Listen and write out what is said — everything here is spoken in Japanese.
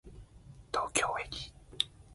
自由だ